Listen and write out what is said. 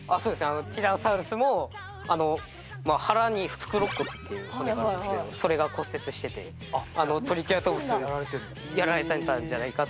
ティラノサウルスも腹に腹肋骨っていう骨があるんですけどもそれが骨折しててトリケラトプスにやられてたんじゃないかって。